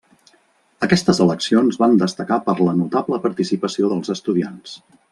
Aquestes eleccions van destacar per la notable participació dels estudiants.